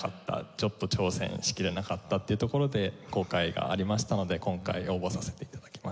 ちょっと挑戦しきれなかったっていうところで後悔がありましたので今回応募させて頂きました。